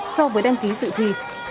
so với đăng ký sự thi